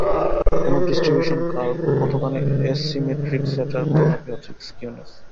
কোন distribution curve কতখানি asymmetric সেটার পরিমাপই হচ্ছে স্কিউনেস।